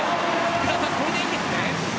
福澤さん、これでいいんですね。